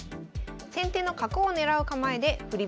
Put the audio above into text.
先手の角を狙う構えで振り